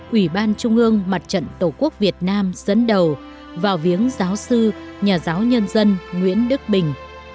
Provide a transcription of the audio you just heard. ủy ban trung ương mặt trận tổ quốc việt nam dẫn đầu vào viếng giáo sư nhà giáo nhân dân nguyễn đức bình